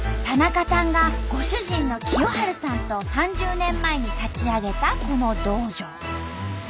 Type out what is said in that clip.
田中さんがご主人の清春さんと３０年前に立ち上げたこの道場。